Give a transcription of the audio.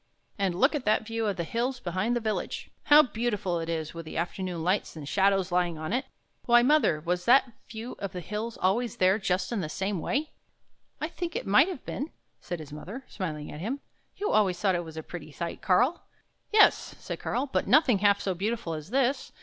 " And look at that view of the hills behind the village! How beautiful it is with the afternoon lights and shadows lying on it! Why, mother, was that view of the hills always there just in the same way? "" I think it must have been," said his mother, smiling at him. "You always thought it was a pretty sight, Karl." "Yes," said Karl, " but nothing half so beautiful as this.